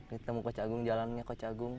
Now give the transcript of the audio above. ketemu kocagung jalannya kocagung